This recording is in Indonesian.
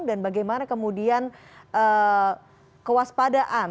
dan bagaimana kemudian kewaspadaan